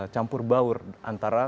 campur baur antara